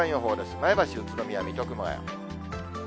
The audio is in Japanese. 前橋、宇都宮、水戸、熊谷。